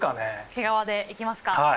毛皮でいきますか？